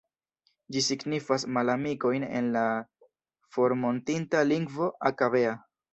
Ĝi signifas "malamikojn" en la formortinta lingvo Aka-Bea.